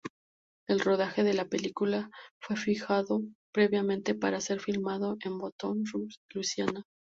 El rodaje de la película, fue fijado previamente para ser filmado en Baton Rouge, Luisiana.